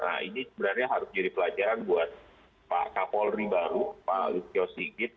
nah ini sebenarnya harus jadi pelajaran buat pak kapolri baru pak lutyo sigit